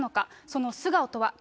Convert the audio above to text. その素顔とは。